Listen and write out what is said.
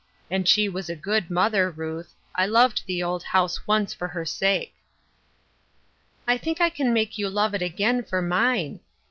" And she was a good mother, Ruth ; I loved the old house once for her sake." " I think I can make you love it again for mine."